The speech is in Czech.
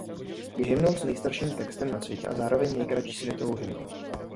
Je hymnou s nejstarším textem na světě a zároveň nejkratší světovou hymnou.